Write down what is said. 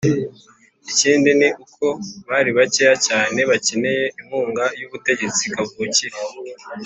Ikindi ni uko bari bakeya cyane bakeneye inkunga y'ubutegetsi kavukire.